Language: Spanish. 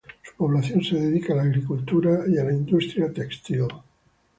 Su población se dedica a la agricultura y a la industria textil.